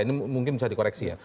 ini mungkin bisa dikoreksi ya